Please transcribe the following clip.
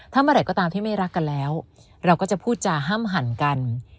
เมื่อไหร่ก็ตามที่ไม่รักกันแล้วเราก็จะพูดจาห้ามหันกัน